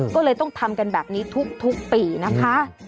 ก็เลยต้องทำกันแบบนี้ทุกปีนะคะ